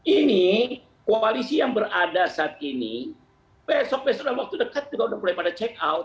ini koalisi yang berada saat ini besok besok dalam waktu dekat juga sudah mulai pada check out